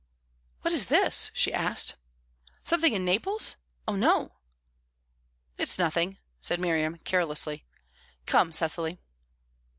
"What is this?" she asked. "Something in Naples? Oh no!" "It's nothing," said Miriam, carelessly. "Come, Cecily."